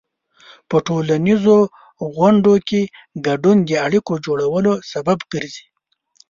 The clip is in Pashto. په ټولنیزو غونډو کې ګډون د اړیکو جوړولو سبب ګرځي.